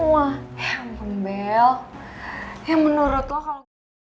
ya ampun bel ya menurut lo kalau